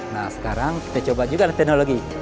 nah sekarang kita coba juga ada teknologi